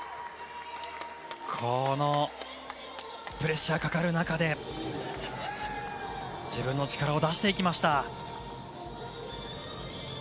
このプレッシャーのかかる中で自分の力を出していきました。